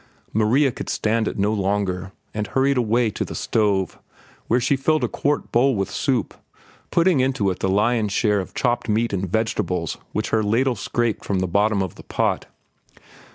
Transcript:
'" Maria could stand it no longer, and hurried away to the stove, where she filled a quart bowl with soup, putting into it the lion's share of chopped meat and vegetables which her ladle scraped from the bottom of the pot.